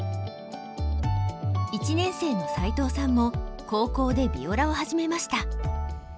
１年生の齋藤さんも高校でヴィオラを始めました。